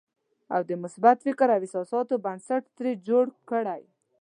او د مثبت فکر او احساساتو بنسټ ترې جوړ کړئ.